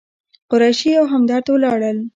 قریشي او همدرد ولاړل.